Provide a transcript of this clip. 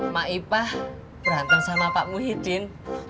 mak ipah berantem sama pak muhyiddin